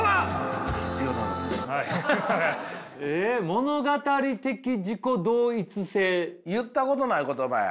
物語的自己同一性。言ったことない言葉や。